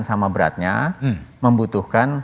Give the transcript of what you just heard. sama beratnya membutuhkan